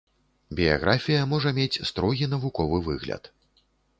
Біяграфія можа мець строгі, навуковы выгляд.